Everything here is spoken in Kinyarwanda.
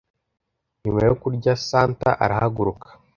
Nyuma yo kurya Santa arahaguruka